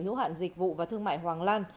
hữu hạn dịch vụ và thương mại hoàng lan